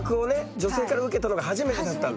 女性から受けたのが初めてだったんだ。